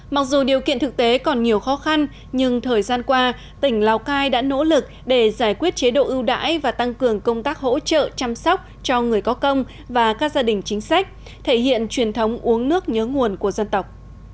mặc dù điều kiện thực tế còn nhiều khó khăn nhưng thời gian qua tỉnh lào cai đã nỗ lực để giải quyết chế độ ưu đãi và tăng cường công tác hỗ trợ chăm sóc cho người có công và các gia đình chính sách thể hiện truyền thống uống nước nhớ nguồn của dân tộc